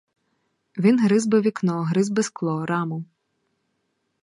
Він гриз би вікно, гриз би скло, раму.